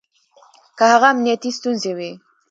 که هغه امنيتي ستونزې وي